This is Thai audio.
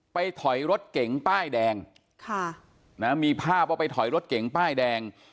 ไปถอยรถเก๋งป้ายแดงค่ะนะมีภาพว่าไปถอยรถเก๋งป้ายแดง